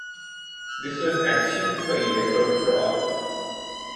This was achieved by electoral fraud.